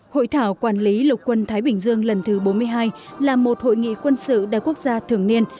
hội thảo quản lý lục quân thái bình dương lần thứ bốn mươi hai là một hội nghị quân sự đa quốc gia thường niên